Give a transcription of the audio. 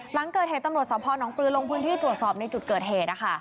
หลังเกิดเหตุตำรวจสพนปลือลงพื้นที่ตรวจสอบในจุดเกิดเหตุ